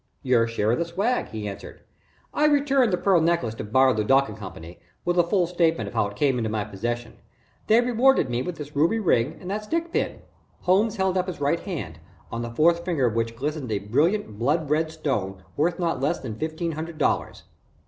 "Your share of the swag," he answered. "I returned the pearl necklace to Bar, LeDuc & Co., with a full statement of how it came into my possession. They rewarded me with this ruby ring and that stick pin." Holmes held up his right hand, on the fourth finger of which glistened a brilliant blood red stone worth not less than fifteen hundred dollars.